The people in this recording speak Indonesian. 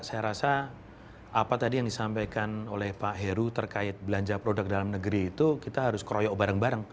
saya rasa apa tadi yang disampaikan oleh pak heru terkait belanja produk dalam negeri itu kita harus keroyok bareng bareng